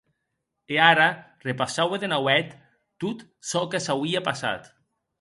E ara repassaue de nauèth tot çò que s’auie passat.